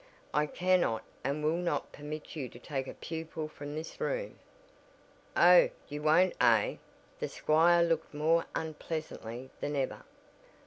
"I cannot and will not permit you to take a pupil from this room!" "Oh, you won't eh?" the squire looked more unpleasantly than ever.